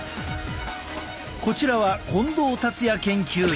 こちらは近藤辰哉研究員。